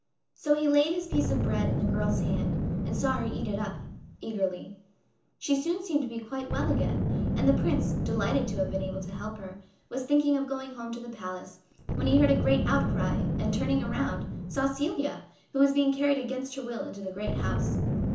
So he laid his piece of bread in the girl's hand, and saw her eat it up eagerly. She soon seemed to be quite well again, and the Prince, delighted to have been able to help her, was thinking of going home to the palace, when he heard a great outcry, and, turning round, saw Celia, who was being carried against her will into the great house.